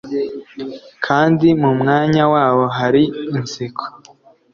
kandi mu mwanya wabwo hari inseko